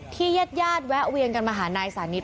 ญาติญาติแวะเวียนกันมาหานายสานิท